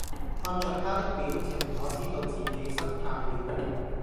看著他的表情，我知道自己失態了！